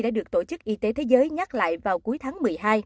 đã được tổ chức y tế thế giới nhắc lại vào cuối tháng một mươi hai